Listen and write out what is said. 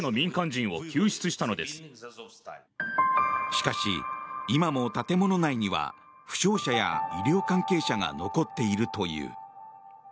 しかし、今も建物内には負傷者や医療関係者が残っているという。